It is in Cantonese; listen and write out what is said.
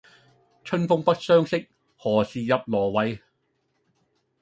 春風不相識，何事入羅幃